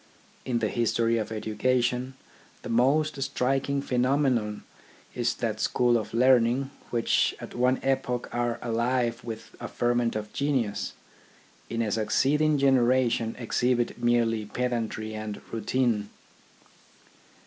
In the history of education, the most striking phenomenon is that schools of learning, which at one epoch are alive with a ferment of genius, in a succeeding generation exhibit merely pedantry and routine.